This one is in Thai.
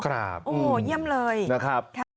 ครับอืมนะครับโอ้เยี่ยมเลย